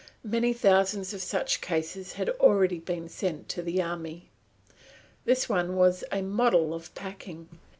Many thousands of such cases had already been sent to the army. This one was a model of packing.